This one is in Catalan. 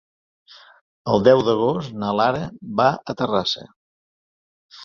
El deu d'agost na Lara va a Terrassa.